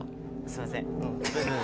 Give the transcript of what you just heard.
すいません。